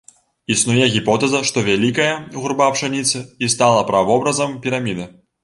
Існуе гіпотэза, што вялікая гурба пшаніцы і стала правобразам піраміды.